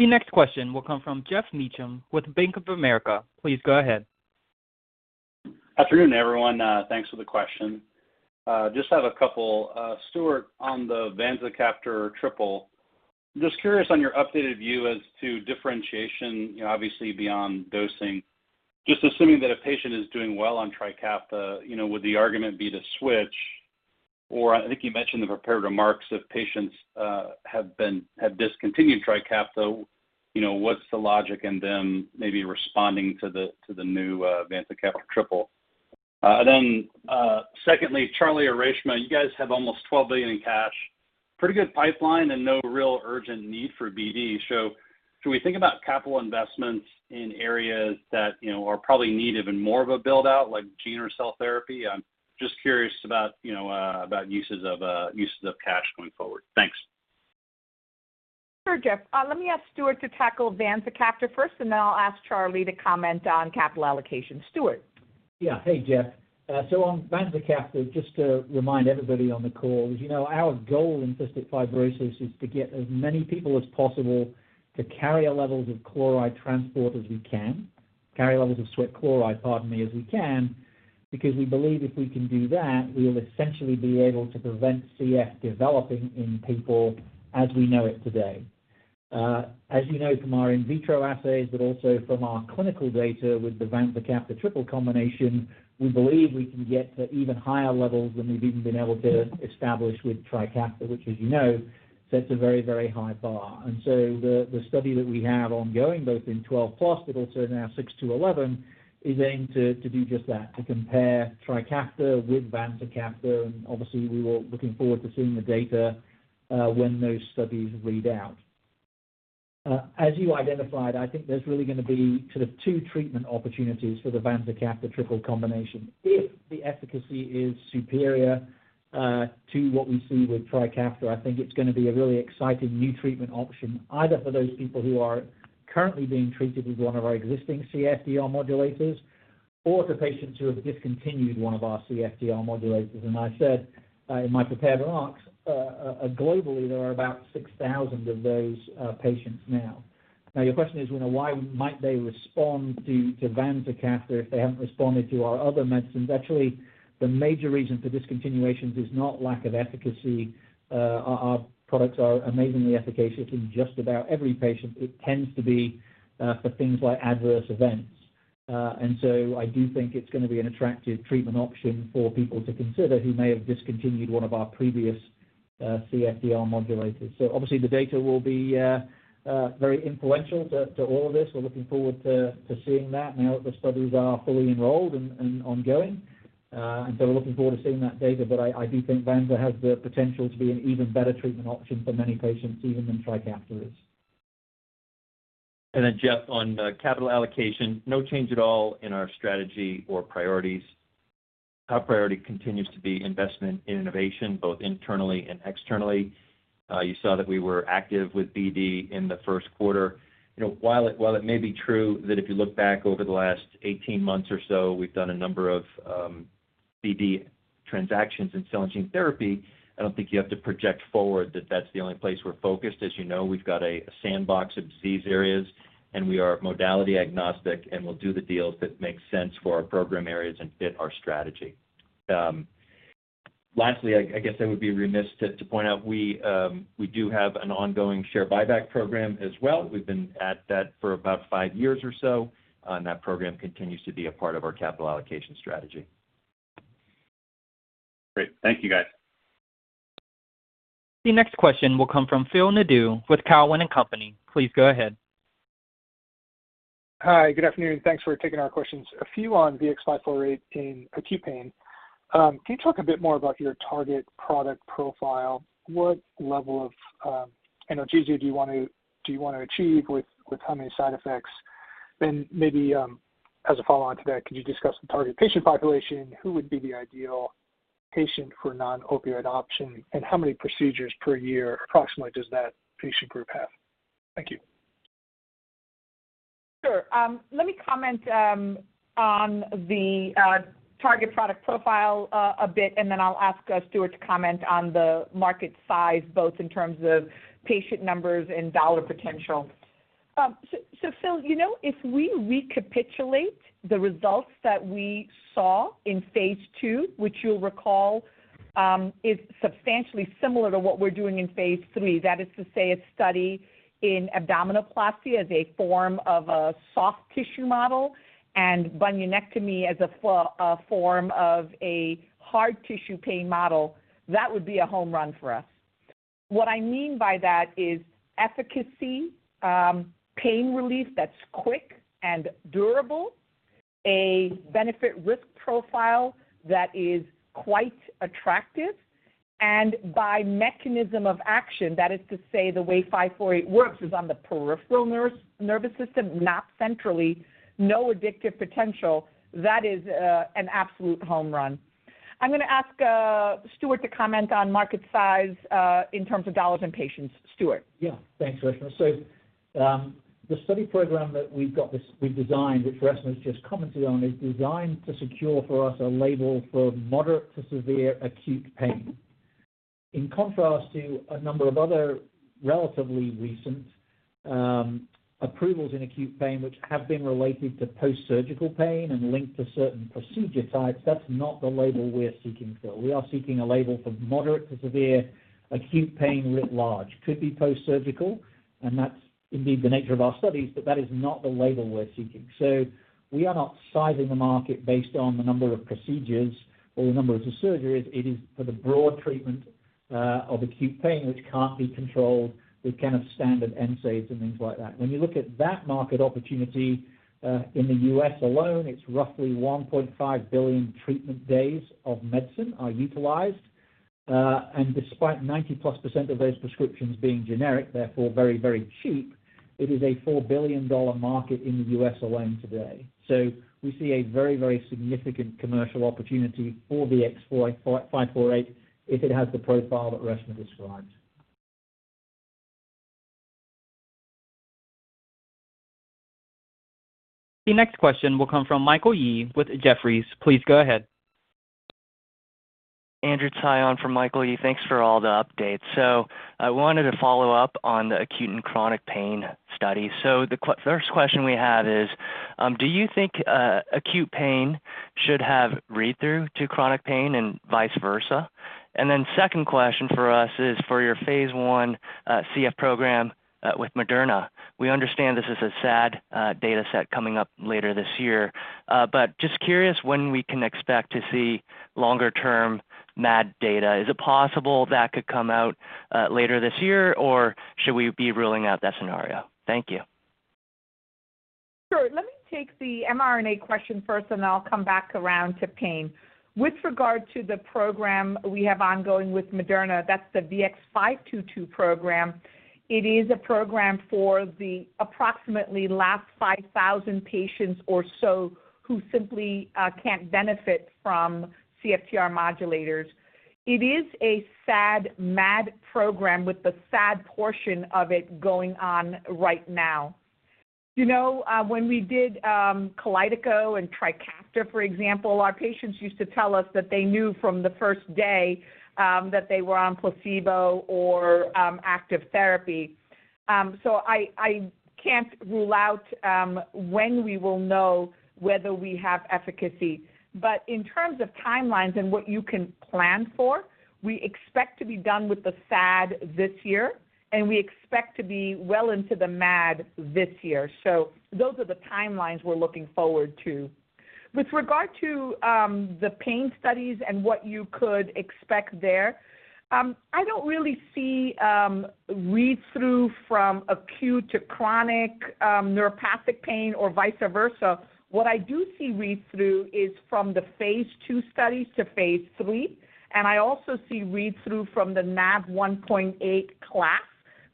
The next question will come from Geoff Meacham with Bank of America. Please go ahead. Afternoon, everyone. Thanks for the question. Just have a couple. Stuart, on the vanzacaftor triple, just curious on your updated view as to differentiation, you know, obviously beyond dosing. Just assuming that a patient is doing well on TRIKAFTA, you know, would the argument be to switch? I think you mentioned in the prepared remarks if patients have discontinued TRIKAFTA, you know, what's the logic in them maybe responding to the, to the new vanzacaftor triple? Secondly, Charlie or Reshma, you guys have almost $12 billion in cash. Pretty good pipeline and no real urgent need for BD. Should we think about capital investments in areas that, you know, are probably needed and more of a build-out, like gene or cell therapy? I'm just curious about, you know, about uses of, uses of cash going forward. Thanks. Sure, Geoff. Let me ask Stuart to tackle vanzacaftor first, then I'll ask Charlie to comment on capital allocation. Stuart? Yeah. Hey, Geoff. On vanzacaftor, just to remind everybody on the call, as you know, our goal in cystic fibrosis is to get as many people as possible to carrier levels of chloride transport as we can. Carrier levels of sweat chloride, pardon me, as we can because we believe if we can do that, we'll essentially be able to prevent CF developing in people as we know it today. As you know from our in vitro assays, but also from our clinical data with the vanzacaftor triple combination, we believe we can get to even higher levels than we've even been able to establish with Trikafta, which, as you know, sets a very, very high bar. The study that we have ongoing, both in +12 but also now 6-11, is aimed to do just that, to compare TRIKAFTA with vanzacaftor. Obviously we're all looking forward to seeing the data when those studies read out. As you identified, I think there's really gonna be sort of two treatment opportunities for the vanzacaftor triple combination. If the efficacy is superior to what we see with TRIKAFTA, I think it's gonna be a really exciting new treatment option, either for those people who are currently being treated with one of our existing CFTR modulators or for patients who have discontinued one of our CFTR modulators. I said in my prepared remarks, globally, there are about 6,000 of those patients now. Your question is, you know, why might they respond to vanzacaftor if they haven't responded to our other medicines? Actually, the major reason for discontinuations is not lack of efficacy. Our products are amazingly efficacious in just about every patient. It tends to be for things like adverse events. I do think it's gonna be an attractive treatment option for people to consider who may have discontinued one of our previous CFTR modulators. Obviously, the data will be very influential to all of this. We're looking forward to seeing that now that the studies are fully enrolled and ongoing. We're looking forward to seeing that data. I do think Vanza has the potential to be an even better treatment option for many patients, even than TRIKAFTA is. Jeff, on capital allocation, no change at all in our strategy or priorities. Top priority continues to be investment in innovation, both internally and externally. You saw that we were active with BD in the first quarter. You know, while it may be true that if you look back over the last 18 months or so, we've done a number of BD transactions in cell and gene therapy, I don't think you have to project forward that that's the only place we're focused. As you know, we've got a sandbox of disease areas, and we are modality agnostic, and we'll do the deals that make sense for our program areas and fit our strategy. Lastly, I guess I would be remiss to point out we do have an ongoing share buyback program as well. We've been at that for about five years or so. That program continues to be a part of our capital allocation strategy. Great. Thank you, guys. The next question will come from Phil Nadeau with Cowen and Company. Please go ahead. Hi. Good afternoon. Thanks for taking our questions. A few on VX-548 in acute pain. Can you talk a bit more about your target product profile? What level of analgesia do you wanna achieve with how many side effects? Maybe, as a follow-on to that, could you discuss the target patient population? Who would be the ideal patient for non-opioid option, and how many procedures per year approximately does that patient group have? Thank you. Sure. Let me comment on the target product profile a bit. Then I'll ask Stuart to comment on the market size, both in terms of patient numbers and dollar potential. Phil, you know, if we recapitulate the results that we saw in phase II, which you'll recall, is substantially similar to what we're doing in phase III, that is to say a study in abdominoplasty as a form of a soft tissue model and bunionectomy as a form of a hard tissue pain model, that would be a home run for us. What I mean by that is efficacy, pain relief that's quick and durable, a benefit risk profile that is quite attractive and by mechanism of action, that is to say the way VX-548 works is on the peripheral nervous system, not centrally, no addictive potential. That is an absolute home run. I'm gonna ask Stuart to comment on market size in terms of dollars and patients. Stuart. Thanks, Reshma. The study program that we've designed, which Reshma's just commented on, is designed to secure for us a label for moderate to severe acute pain. In contrast to a number of other relatively recent approvals in acute pain, which have been related to post-surgical pain and linked to certain procedure types, that's not the label we're seeking, Phil. We are seeking a label for moderate to severe acute pain writ large. Could be post-surgical, and that's indeed the nature of our studies, but that is not the label we're seeking. We are not sizing the market based on the number of procedures or the numbers of surgeries. It is for the broad treatment of acute pain, which can't be controlled with kind of standard NSAIDs and things like that. When you look at that market opportunity, in the U.S. alone, it's roughly $1.5 billion treatment days of medicine are utilized. Despite +90% of those prescriptions being generic, therefore very, very cheap, it is a $4 billion market in the U.S. alone today. We see a very, very significant commercial opportunity for VX-548 if it has the profile that Reshma described. The next question will come from Michael Yee with Jefferies. Please go ahead. Andrew Tsai for Michael Yee. Thanks for all the updates. I wanted to follow up on the acute and chronic pain studies. The first question we have is, do you think acute pain should have read-through to chronic pain and vice versa? Second question for us is for your phase I CF program with Moderna. We understand this is a SAD data set coming up later this year. Just curious when we can expect to see longer-term MAD data. Is it possible that could come out later this year, or should we be ruling out that scenario? Thank you. Sure. Let me take the mRNA question first, and then I'll come back around to pain. With regard to the program we have ongoing with Moderna, that's the VX-522 program. It is a program for the approximately last 5,000 patients or so who simply can't benefit from CFTR modulators. It is a SAD/MAD program with the SAD portion of it going on right now. You know, when we did Kalydeco and Trikafta, for example, our patients used to tell us that they knew from the first day that they were on placebo or active therapy. I can't rule out when we will know whether we have efficacy. In terms of timelines and what you can plan for, we expect to be done with the SAD this year, and we expect to be well into the MAD this year. Those are the timelines we're looking forward to. With regard to the pain studies and what you could expect there, I don't really see read-through from acute to chronic neuropathic pain or vice versa. What I do see read-through is from the phase II studies to phase III, and I also see read-through from the NaV1.8 class.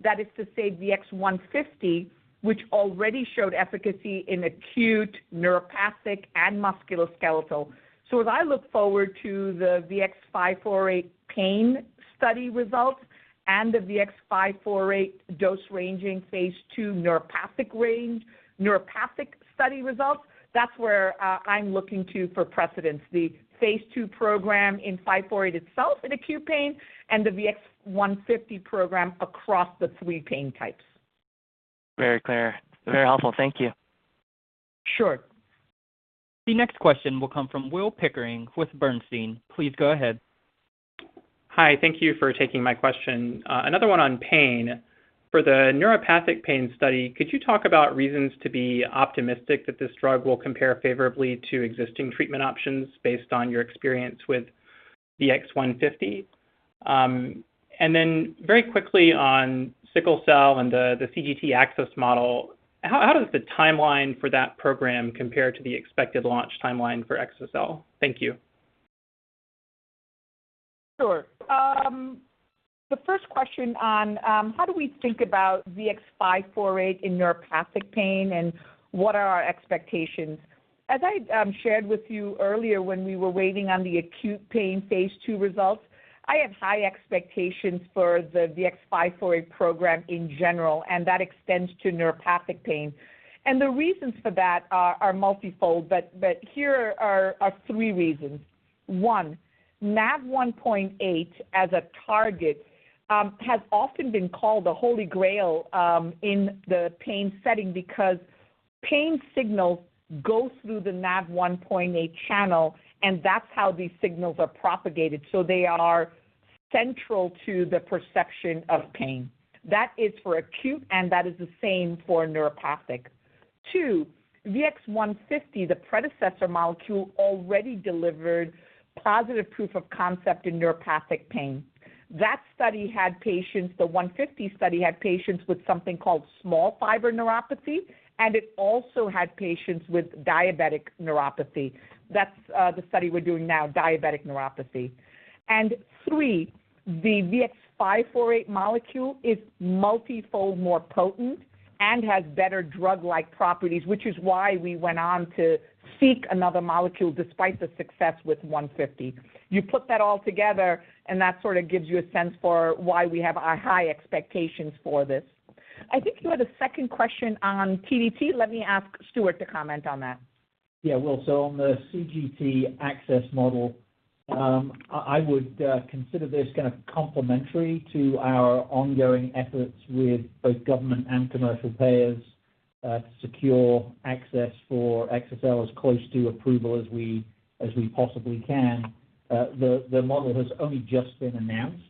That is to say VX-150, which already showed efficacy in acute neuropathic and musculoskeletal. As I look forward to the VX-548 pain study results and the VX-548 dose-ranging phase II neuropathic study results, that's where I'm looking to for precedence. The phase II program in VX-548 itself in acute pain and the VX-150 program across the 3 pain types. Very clear. Very helpful. Thank you. Sure. The next question will come from Will Pickering with Bernstein. Please go ahead. Hi. Thank you for taking my question. Another one on pain. For the neuropathic pain study, could you talk about reasons to be optimistic that this drug will compare favorably to existing treatment options based on your experience with VX-150? Very quickly on sickle cell and the CGT Access Model, how does the timeline for that program compare to the expected launch timeline for exa-cel? Thank you. Sure. The first question on how do we think about VX-548 in neuropathic pain and what are our expectations? As I shared with you earlier when we were waiting on the acute pain phase II results, I have high expectations for the VX-548 program in general, and that extends to neuropathic pain. The reasons for that are multifold, but here are three reasons. One, NaV1.8 as a target has often been called the Holy Grail in the pain setting because pain signals go through the NaV1.8 channel, and that's how these signals are propagated. They are central to the perception of pain. That is for acute, and that is the same for neuropathic. Two, VX-150, the predecessor molecule, already delivered positive proof of concept in neuropathic pain. That study had patients, the 150 study, had patients with something called small fiber neuropathy, and it also had patients with diabetic neuropathy. That's the study we're doing now, diabetic neuropathy. 3, the VX-548 molecule is multifold more potent and has better drug-like properties, which is why we went on to seek another molecule despite the success with 150. You put that all together, and that sort of gives you a sense for why we have high expectations for this. I think you had a second question on PDT. Let me ask Stuart to comment on that. Yeah, Will. On the CGT Access Model, I would consider this kind of complementary to our ongoing efforts with both government and commercial payers to secure access for exa-cel as close to approval as we possibly can. The model has only just been announced,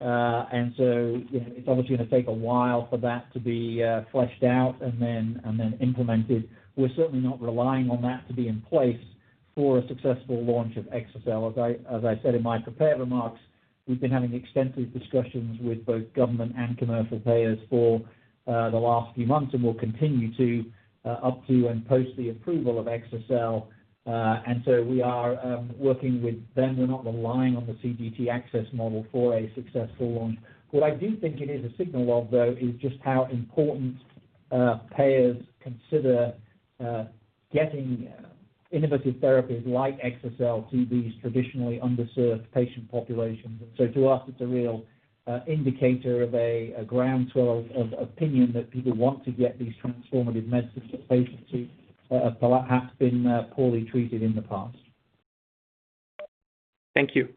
you know, it's obviously gonna take a while for that to be fleshed out and then implemented. We're certainly not relying on that to be in place for a successful launch of exa-cel. As I said in my prepared remarks, we've been having extensive discussions with both government and commercial payers for the last few months and will continue to up to and post the approval of exa-cel. We are working with them. We're not relying on the CGT Access Model for a successful launch. What I do think it is a signal of, though, is just how important payers consider getting innovative therapies like exa-cel to these traditionally underserved patient populations. To us, it's a real indicator of a groundswell of opinion that people want to get these transformative medicines to patients who have been poorly treated in the past. Thank you.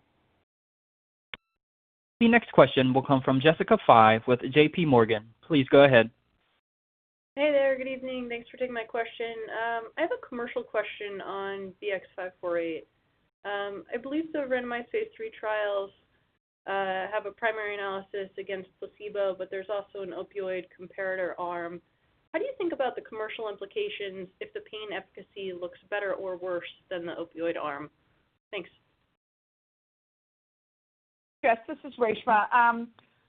The next question will come from Jessica Fye with J.P. Morgan. Please go ahead. Hey there. Good evening. Thanks for taking my question. I have a commercial question on VX-548. I believe the randomized phase III trials have a primary analysis against placebo, but there's also an opioid comparator arm. How do you think about the commercial implications if the pain efficacy looks better or worse than the opioid arm? Thanks. Jess, this is Reshma.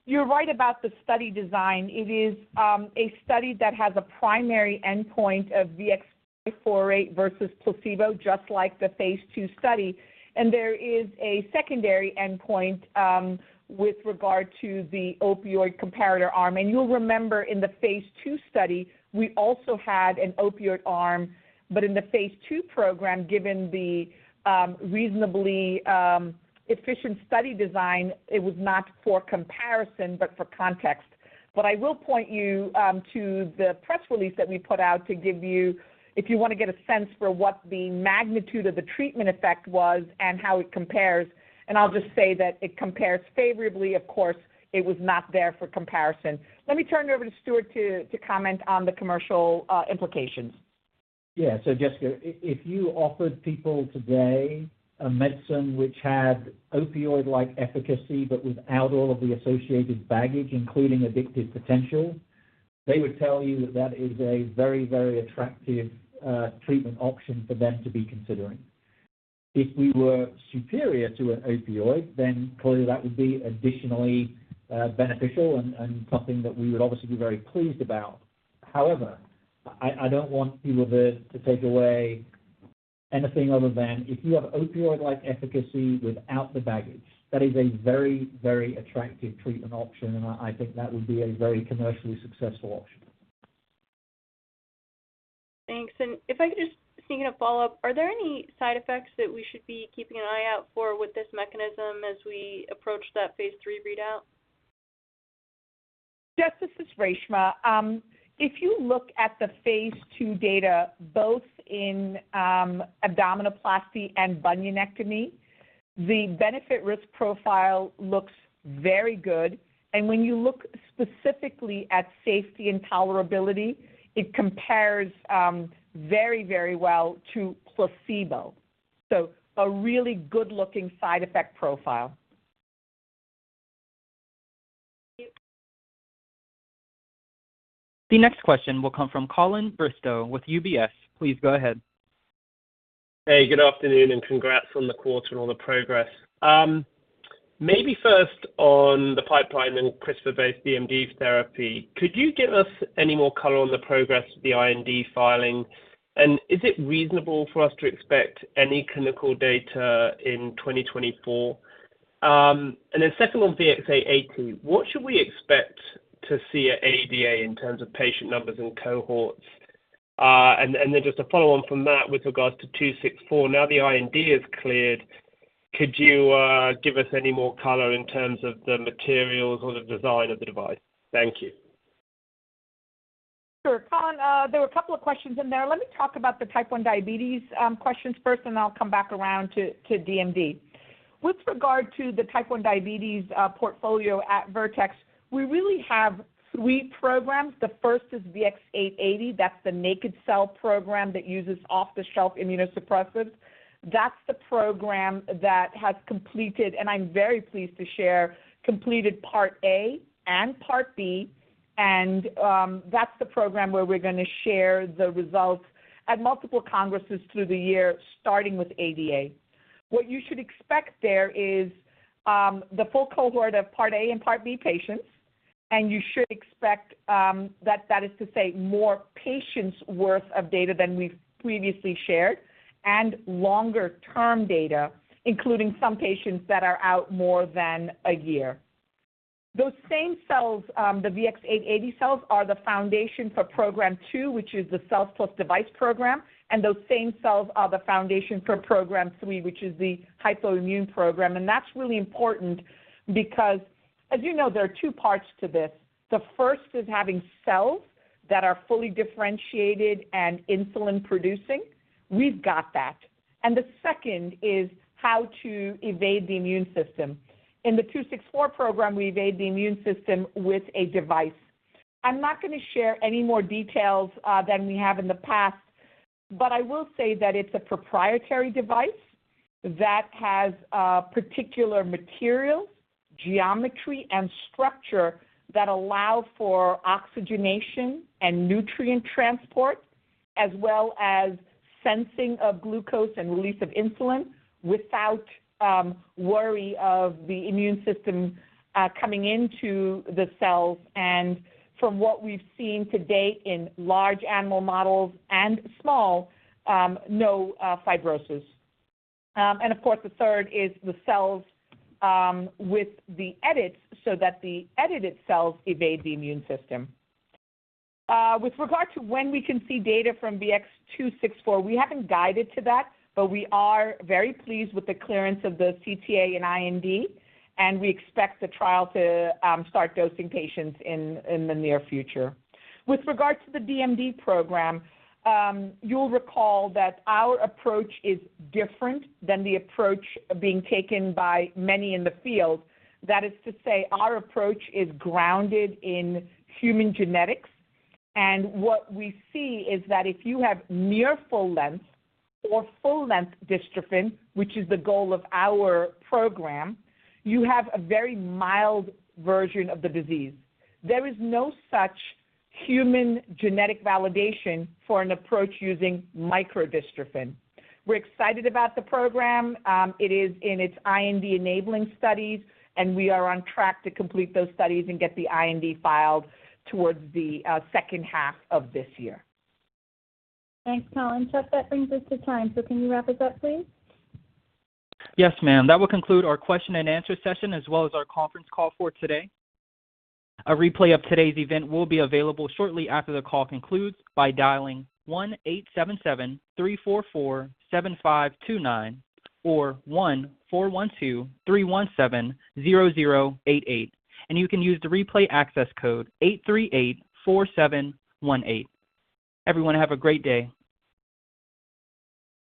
You're right about the study design. It is a study that has a primary endpoint of VX-548 versus placebo, just like the phase II study. There is a secondary endpoint with regard to the opioid comparator arm. In the phase II program, given the reasonably efficient study design, it was not for comparison but for context. I will point you to the press release that we put out if you wanna get a sense for what the magnitude of the treatment effect was and how it compares, and I'll just say that it compares favorably, of course. It was not there for comparison. Let me turn it over to Stuart to comment on the commercial implications. Yeah. Jessica Fye, if you offered people today a medicine which had opioid-like efficacy but without all of the associated baggage, including addictive potential. They would tell you that that is a very, very attractive treatment option for them to be considering. If we were superior to an opioid, then clearly that would be additionally beneficial and something that we would obviously be very pleased about. However, I don't want people to take away anything other than if you have opioid-like efficacy without the baggage, that is a very, very attractive treatment option, and I think that would be a very commercially successful option. Thanks. If I could just, thinking of follow-up, are there any side effects that we should be keeping an eye out for with this mechanism as we approach that phase III readout? Jessica, this is Reshma. If you look at the phase II data, both in abdominoplasty and bunionectomy, the benefit risk profile looks very good. When you look specifically at safety and tolerability, it compares very, very well to placebo. A really good-looking side effect profile. Thank you. The next question will come from Colin Bristow with UBS. Please go ahead. Hey, good afternoon, and congrats on the quarter and all the progress. Maybe first on the pipeline and CRISPR-based DMD therapy, could you give us any more color on the progress of the IND filing? Is it reasonable for us to expect any clinical data in 2024? Then second on VX-880, what should we expect to see at ADA in terms of patient numbers and cohorts? Then just to follow on from that with regards to VX-264, now the IND is cleared, could you give us any more color in terms of the materials or the design of the device? Thank you. Sure. Colin, there were two questions in there. Let me talk about the type 1 diabetes questions first, and then I'll come back around to DMD. With regard to the type 1 diabetes portfolio at Vertex, we really have three programs. The first is VX-880. That's the naked cell program that uses off-the-shelf immunosuppressants. That's the program that has completed, and I'm very pleased to share, completed part A and part B. That's the program where we're going to share the results at multiple congresses through the year, starting with ADA. What you should expect there is the full cohort of part A and part B patients, and you should expect that is to say more patients' worth of data than we've previously shared, and longer-term data, including some patients that are out more than 1 year. Those same cells, the VX-880 cells, are the foundation for program two, which is the cells plus device program, and those same cells are the foundation for program three, which is the hypoimmune program. That's really important because, as you know, there are two parts to this. The first is having cells that are fully differentiated and insulin-producing. We've got that. The second is how to evade the immune system. In the two six four program, we evade the immune system with a device. I'm not gonna share any more details than we have in the past, but I will say that it's a proprietary device that has a particular material, geometry, and structure that allow for oxygenation and nutrient transport, as well as sensing of glucose and release of insulin without worry of the immune system coming into the cells, and from what we've seen to date in large animal models and small, no fibrosis. Of course, the third is the cells with the edits so that the edited cells evade the immune system. With regard to when we can see data from VX-264, we haven't guided to that, but we are very pleased with the clearance of the CTA and IND, and we expect the trial to start dosing patients in the near future. With regards to the DMD program, you'll recall that our approach is different than the approach being taken by many in the field. That is to say our approach is grounded in human genetics. What we see is that if you have near full-length or full-length dystrophin, which is the goal of our program, you have a very mild version of the disease. There is no such human genetic validation for an approach using microdystrophin. We're excited about the program. It is in its IND enabling studies, and we are on track to complete those studies and get the IND filed towards the second half of this year. Thanks, Colin. Chuck, that brings us to time. Can you wrap us up, please? Yes, ma'am. That will conclude our question and answer session, as well as our Conference Call for today. A replay of today's event will be available shortly after the call concludes by dialing 18773447529 or 14123170088. You can use the replay access code 8384718. Everyone have a great day.